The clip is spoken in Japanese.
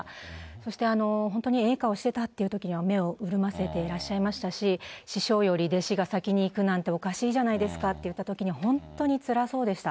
そして、本当にええ顔してたっていうときには目を潤ませていらっしゃいましたし、師匠より弟子が先に逝くなんておかしいじゃないですかって言ったときに、本当につらそうでした。